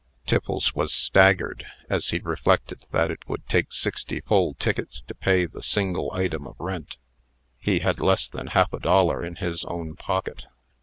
Tiffles was staggered, as he reflected that it would take sixty full tickets to pay the single item of rent. He had less than half a dollar in his own pocket.